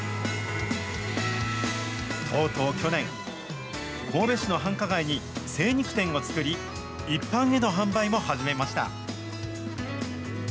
とうとう去年、神戸市の繁華街に精肉店を作り、一般への販売も始めました。